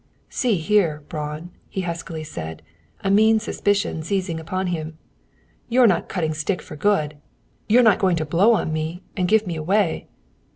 "See here, Braun," he huskily said, a mean suspicion seizing upon him, "You're not cutting stick for good! You're not going to 'blow on me' and 'give me away!'